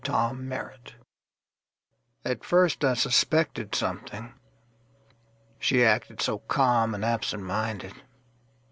Tom Merritt AT first I suspected something—She acted so calm and absent minded.